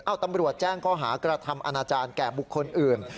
เอาตำรวจแจ้งข้อหากระทำอนาจารย์แก่บุคคลอื่น